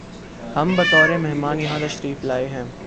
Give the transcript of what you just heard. ہم بطور مہمان یہاں تشریف لائے ہیں